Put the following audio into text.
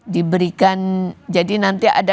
diberikan jadi nanti ada